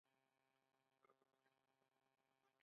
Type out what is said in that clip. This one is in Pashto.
د حافظې د کمیدو د دوام لپاره باید څه وکړم؟